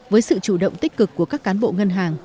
với sự chủ động tích cực của các cán bộ ngân hàng